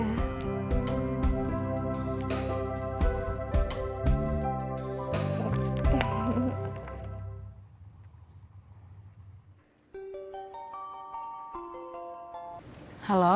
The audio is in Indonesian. karni dari parallels